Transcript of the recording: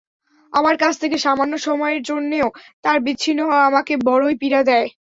আমার কাছ থেকে সামান্য সময়ের জন্যেও তার বিচ্ছিন্ন হওয়া আমাকে বড়ই পীড়া দেয়।